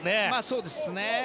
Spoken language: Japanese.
そうですね。